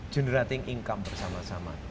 generating income bersama sama